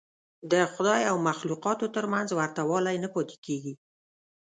د خدای او مخلوقاتو تر منځ ورته والی نه پاتې کېږي.